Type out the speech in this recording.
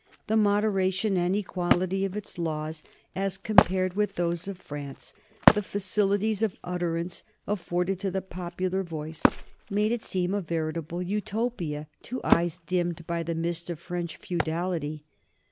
The moderation and equality of its laws, as compared with those of France, the facilities of utterance afforded to the popular voice, made it seem a veritable Utopia to eyes dimmed by the mist of French feudality.